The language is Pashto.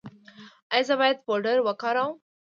ایا زه باید پوډر وکاروم؟